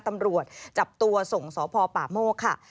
ตำรวจจับตัวส่งสพป่าโมกค่ะ